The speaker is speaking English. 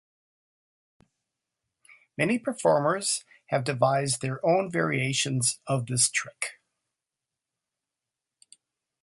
Many performers have devised their own variations of this trick.